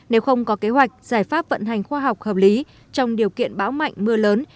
nếu không có kế hoạch giải pháp vận hành khoa học hợp lý trong điều kiện bão mạnh mưa lớn